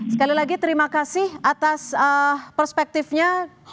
sekali lagi terima kasih atas perspektifnya